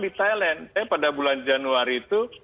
di thailand saya pada bulan januari itu